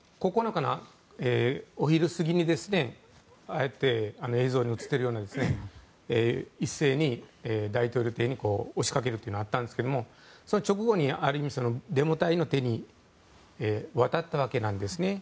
９日のお昼過ぎにああやって映像に映っているように一斉に大統領邸に押しかけるというのがあったんですがその直後にデモ隊の手に渡ったわけなんですね。